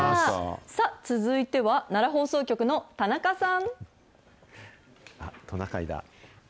さあ、続いては、奈良放送局の田トナカイだ。